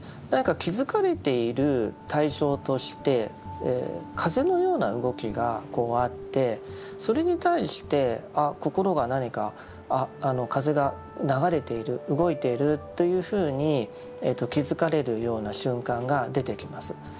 気づかれている対象として風のような動きがこうあってそれに対して心が何か風が流れている動いているというふうに気づかれるような瞬間が出てきます。